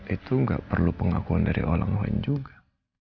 itu nggak perlu pengakuan dari orang lain juga